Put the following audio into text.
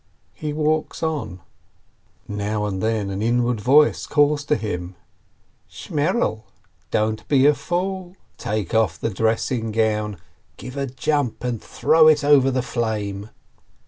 He walks on. Now and then an inward voice calls to him : "Shmerel, don't be a fool ! Take oft. the dressing gown. Give a jump and throw it over the flame